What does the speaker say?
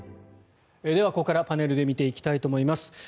ここからパネルで見ていきたいと思います。